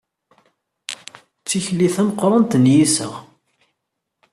D tikli tameqqrant n yiseɣ.